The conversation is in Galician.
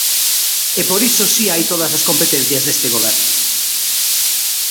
E por iso si hai todas as competencias deste goberno.